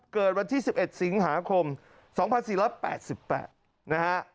เกิดวันที่๑๑สิงหาคม๒๔๘๘นะฮะ